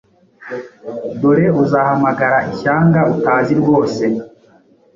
Dore uzahamagara ishyanga utazi rwose,